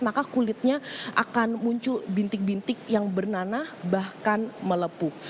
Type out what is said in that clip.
maka kulitnya akan muncul bintik bintik yang bernanah bahkan melepuh